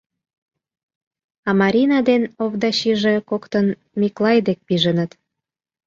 А Марина ден Овдачиже коктын Миклай дек пижыныт.